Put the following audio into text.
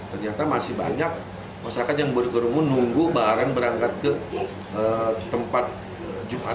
ternyata masih banyak masyarakat yang bergerungu nunggu bareng berangkat ke tempat jumatan